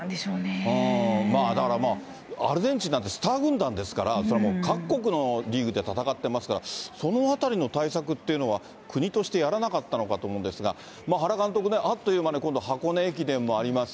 まあだから、まあアルゼンチンなんてスター軍団ですから、それはもう各国のリーグで戦ってますから、そのあたりの対策っていうのは、国としてやらなかったのかと思うんですが、原監督ね、あっという間に今度、箱根駅伝もあります。